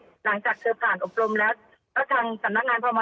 หลังจากเธอผ่านอบรมแล้ว